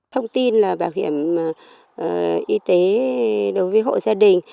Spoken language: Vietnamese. thông tin là bảo hiểm y tế đối với hộ gia đình